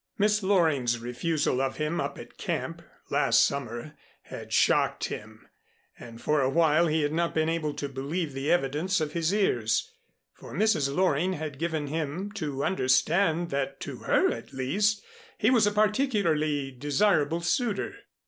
Miss Loring's refusal of him up at camp, last summer, had shocked him, and for awhile he had not been able to believe the evidence of his ears, for Mrs. Loring had given him to understand that to her at least he was a particularly desirable suitor.